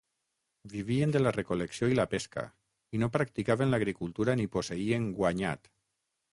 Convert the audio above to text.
Vivien de la recol·lecció i la pesca, i no practicaven l'agricultura ni posseïen guanyat.